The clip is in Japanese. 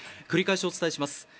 繰り返しお伝えします。